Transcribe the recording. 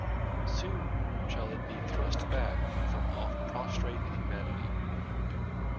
Soon shall it be thrust back from off prostrate humanity.